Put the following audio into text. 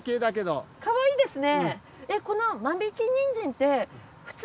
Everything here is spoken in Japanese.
あっいいですね。